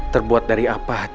terbuat dari apa hatinya